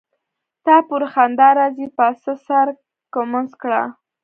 تا پوری خندا راځي پاڅه سر ګمنځ کړه.